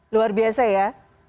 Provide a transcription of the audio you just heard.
luar biasa ya